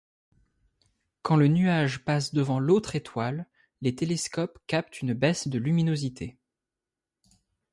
Quand le nuage passe devant l'autre étoile, les télescopes captent une baisse de luminosité.